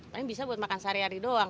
paling bisa buat makan sehari hari doang